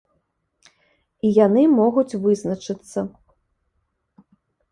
І яны могуць вызначыцца.